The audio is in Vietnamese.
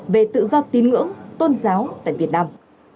về tự do tín ngưỡng tôn giáo tại việt nam